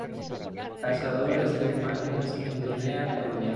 Cazadores de imágenes en la Guinea colonial.